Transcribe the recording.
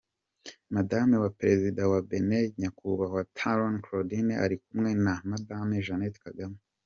Madame wa Perezida wa Bénin, Nyakubahwa Talon Claudine arikumwe na Madame Jeannette Kagame